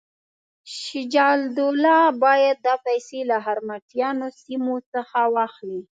شجاع الدوله باید دا پیسې له مرهټیانو سیمو څخه واخلي.